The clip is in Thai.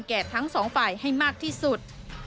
ทั้งสองฝ่ายให้มากที่สุด